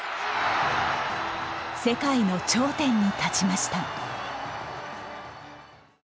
世界の頂点に立ちました。